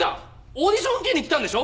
オーディション受けに来たんでしょ！？